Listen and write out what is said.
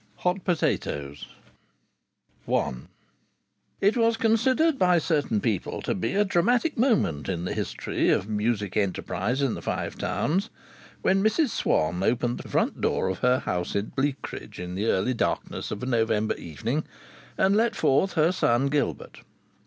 HOT POTATOES I It was considered by certain people to be a dramatic moment in the history of musical enterprise in the Five Towns when Mrs Swann opened the front door of her house at Bleakridge, in the early darkness of a November evening, and let forth her son Gilbert.